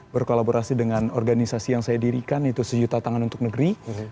berkolaborasi dengan organisasi yang saya dirikan yaitu sejuta tangan untuk negeri